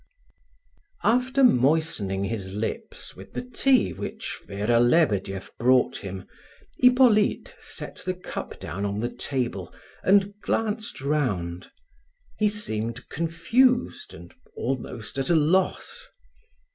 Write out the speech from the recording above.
After moistening his lips with the tea which Vera Lebedeff brought him, Hippolyte set the cup down on the table, and glanced round. He seemed confused and almost at a loss.